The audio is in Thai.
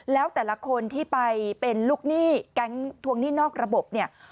แล้วแต่ละคนที่ไปเป็นลูกหนี้แก๊งทวงหนี้นอกระบบเนี่ย